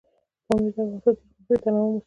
پامیر د افغانستان د جغرافیوي تنوع مثال دی.